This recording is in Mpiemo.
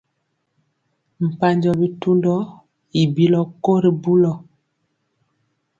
Mpanjɔ bitundɔ i bilɔ ko ri bulɔ.